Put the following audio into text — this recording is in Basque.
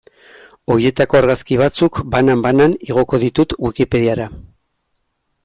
Horietako argazki batzuk, banan-banan, igo ditut Wikipediara.